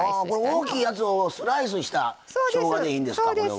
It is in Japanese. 大きいやつをスライスしたしょうがでいいんですか。